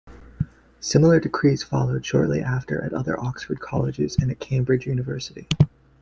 Similar decrees followed shortly after at other Oxford Colleges and at Cambridge University.